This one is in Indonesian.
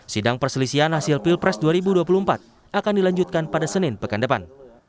sidang perselisihan hasil pilpres dua ribu dua puluh empat akan dilanjutkan pada senin pekan depan